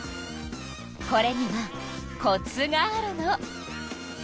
これにはコツがあるの。